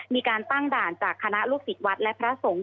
มีการตั้งด่านจากคณะลูกศิษย์วัดและพระสงฆ์